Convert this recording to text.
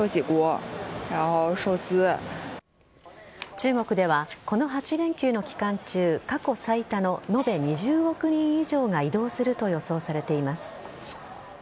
中国ではこの８連休の期間中過去最多の延べ２０億人以上が移動すると予想されています。